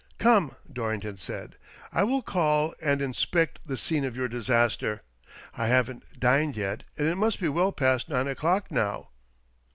" Come," Dorrington said, " I will call and inspect the scene of your disaster, I haven't dined yet, and it must be well past nine o'clock now."